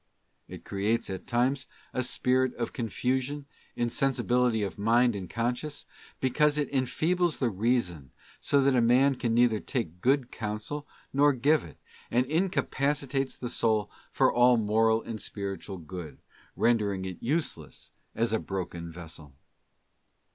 It creates at times a spirit of confusion, insensibility of mind and conscience, because it enfeebles the Reason so that a man can neither take good counsel nor give it, and incapacitates the soul for all moral and spiritual good, rendering it useless as a broken vessel.